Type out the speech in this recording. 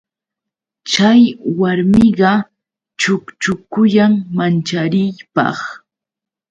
Chay warmiqa chukchukuyan manchariypaq.